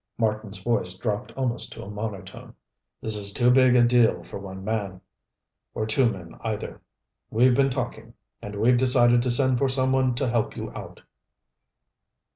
Marten's voice dropped almost to a monotone. "This is too big a deal for one man or two men either. We've been talking, and we've decided to send for some one to help you out."